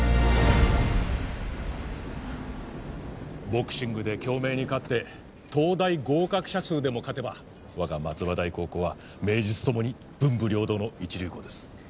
ボクシングで京明に勝って東大合格者数でも勝てば我が松葉台高校は名実共に文武両道の一流校です。